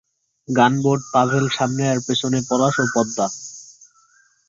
Gunboat 'Pavel' সামনে আর পেছনে 'পলাশ' ও 'পদ্মা'।